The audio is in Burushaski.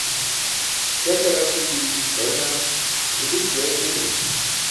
śakar api barena ise buś dayok deli